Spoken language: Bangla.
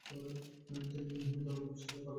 তিন্নি তখন খুব সহজ গলায় বলল, বাবা, তুমি চলে যাও।